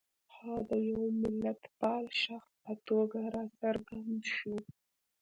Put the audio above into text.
هغه د یوه ملتپال شخص په توګه را څرګند شو.